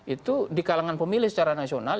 itu di kalangan pemilih secara nasional